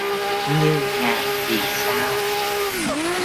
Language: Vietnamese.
Như ngàn vì sao